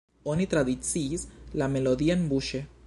Oni tradiciis la melodian buŝe.